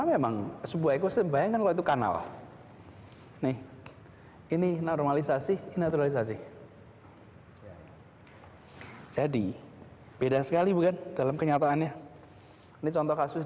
itu mungkin dia underestimate itu